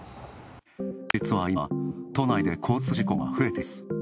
実は今、都内で交通事故が増えています。